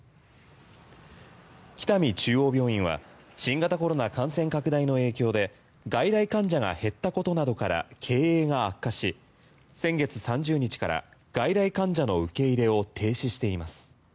北見中央病院は新型コロナ感染拡大の影響で外来患者が減ったことなどから経営が悪化し、先月３０日から外来患者の受け入れを停止しています。